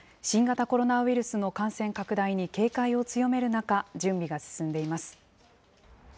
新型コロナウイルスの感染拡大に警戒を強める中、準備が進んでいます。